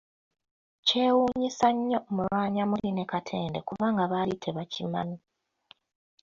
Kyewuunyisa nnyo Mulwanyammuli ne Katende kubanga baali tebakimannyi.